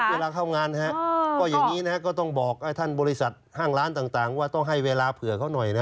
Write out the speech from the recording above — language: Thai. เวลาเข้างานก็อย่างนี้นะก็ต้องบอกให้ท่านบริษัทห้างร้านต่างว่าต้องให้เวลาเผื่อเขาหน่อยนะ